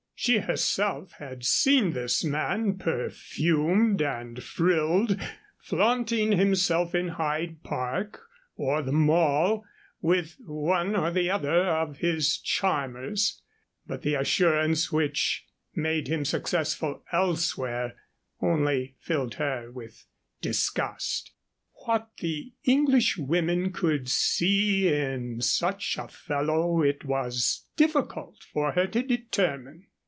She herself had seen this man, perfumed and frilled, flaunting himself in Hyde Park or the Mall with one or the other of his charmers, but the assurance which made him successful elsewhere only filled her with disgust. What the Englishwomen could see in such a fellow it was difficult for her to determine.